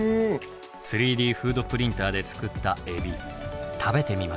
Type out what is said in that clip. ３Ｄフードプリンターで作ったエビ食べてみましょう。